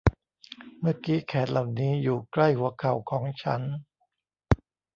เมื่อกี้แขนเหล่านี้อยู่ใกล้หัวเข่าของฉัน